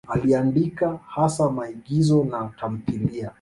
Aliandika hasa maigizo na tamthiliya.